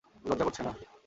লজ্জা করছে না?